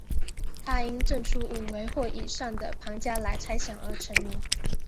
他因证出五维或以上的庞加莱猜想而成名。